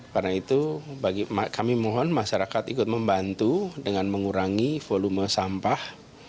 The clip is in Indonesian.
karena itu kami mohon masyarakat ikut membantu dengan mengurangi volume sampah